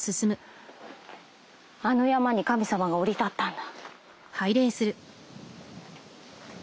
あの山に神様が降り立ったんだ。